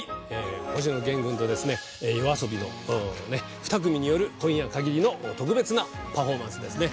星野源君とＹＯＡＳＯＢＩの２組による今夜かぎりの特別なパフォーマンスですね。